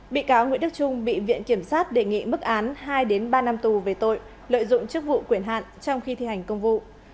bị cáo nguyễn đức trung bị viện kiểm sát đề nghị mức án hai ba năm tù về tội lợi dụng chức vụ quyền hạn trong khi thi hành công vụ